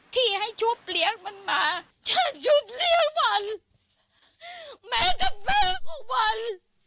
ที่ให้ชุบเลี้ยงมันมาฉันชุบเลี้ยงมันแม้ถ้าแม่ของมัน